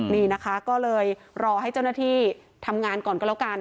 นี่นะคะก็เลยรอให้เจ้าหน้าที่ทำงานก่อนก็แล้วกัน